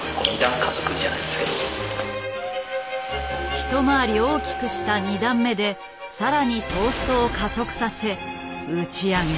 ひと回り大きくした２段目で更にトーストを加速させ打ち上げる。